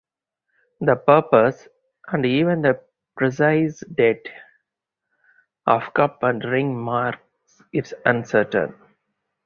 The purpose, and even the precise date, of cup and ring marks is uncertain.